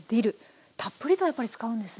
たっぷりとやっぱり使うんですね。